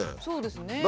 そうですね。